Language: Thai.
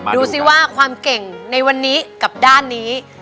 ดูสิว่าความเก่งในวันนี้กับด้านนี้